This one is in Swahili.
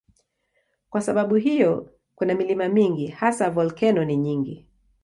Kwa sababu hiyo kuna milima mingi, hasa volkeno ni nyingi.